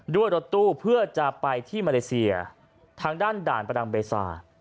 ด้วยรถตู้เพื่อจะไปที่มาเลเซียทางด้านด่านประดังเบซา